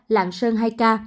lạng sơn hai ca